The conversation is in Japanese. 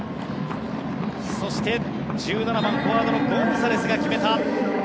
そして、１７番フォワードのゴンサレスが決めた。